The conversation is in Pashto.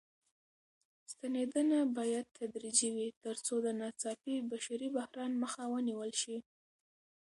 ستنېدنه بايد تدريجي وي تر څو د ناڅاپي بشري بحران مخه ونيول شي.